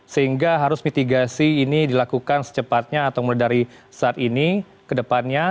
sehingga harus mitigasi ini dilakukan secepatnya atau mulai dari saat ini ke depannya